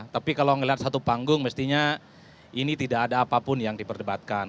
tapi kalau melihat satu panggung mestinya ini tidak ada apapun yang diperdebatkan